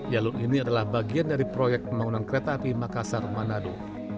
jalur ini adalah bagian dari proyek pembangunan kereta api makassar manado